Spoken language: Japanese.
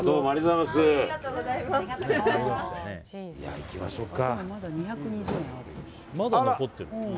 いや、行きましょうか。